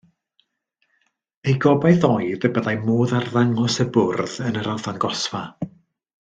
Eu gobaith oedd y byddai modd arddangos y bwrdd yn yr arddangosfa.